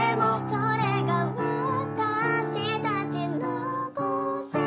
「それが私たちの個性だから」